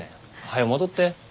はよ戻って。